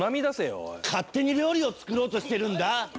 勝手に料理を作ろうとしてるんだ。